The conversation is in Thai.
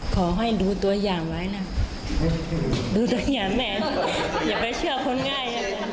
ขอให้ดูตัวอย่างไว้นะดูตัวอย่างแม่อย่าไปเชื่อคนง่าย